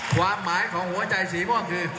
ความหมายของหัวใจสีม่วงคือ